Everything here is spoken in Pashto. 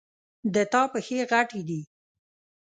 د تا پښې غټي دي